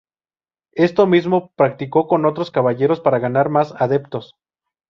Esto mismo practicó con otros caballeros para ganar más adeptos.